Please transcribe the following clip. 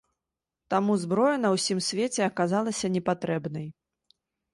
Таму зброя на ўсім свеце аказалася непатрэбнай.